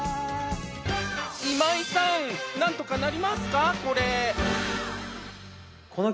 今井さんなんとかなりますか？